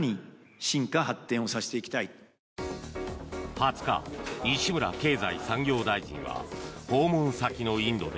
２０日、西村経済産業大臣は訪問先のインドで